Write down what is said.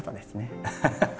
ハハハハ！